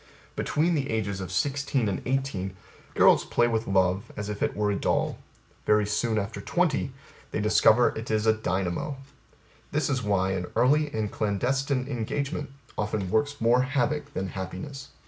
Between the ages of sixteen and eighteen, girls play with love as if it were a doll; very soon after twenty they discover it is a dynamo. This is why An early and clandestine engagement often works more havoc than happiness.